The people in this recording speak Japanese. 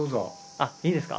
あっいいですか？